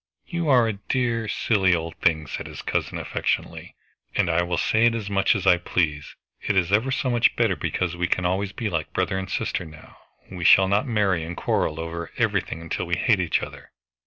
"You are a dear, silly old thing," said his cousin affectionately, "and I will say it as much as I please. It is ever so much better, because we can always be like brother and sister now, and we shall not marry and quarrel over everything till we hate each other."